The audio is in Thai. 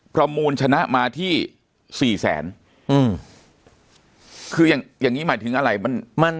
ประมูลชนะมาที่สี่แสนอืมคืออย่างอย่างงี้หมายถึงอะไรมันมัน